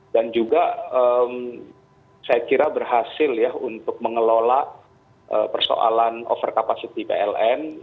dan juga saya kira berhasil untuk mengelola persoalan overcapacity pln